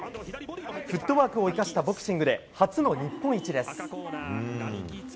フットワークを生かしたボクシングで初の日本一です。